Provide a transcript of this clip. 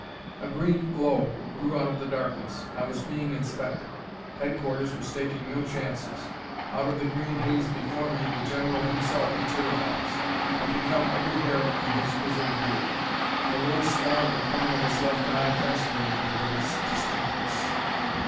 A green glow grew out of the darkness. I was being inspected. Headquarters was taking no chances. Out of the green haze before me the general himself materialized. I could count every hair in his grizzled beard. The little scar at the corner of his left eye fascinated me with its distinctness.